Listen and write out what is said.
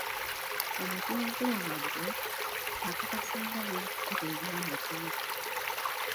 Omujulizi wange, akakasa nga bwe njogera eby'amazima.